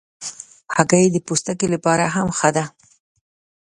هګۍ د پوستکي لپاره هم ښه ده.